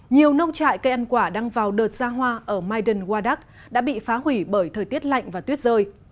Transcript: nhiều nông trại cây ăn quả đang vào đợt ra hoa ở maidan wadak đã bị phá hủy bởi thời tiết lạnh và tuyết rơi